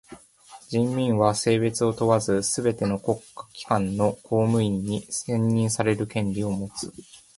人民は性別を問わずすべての国家機関の公務員に選任される権利をもつ。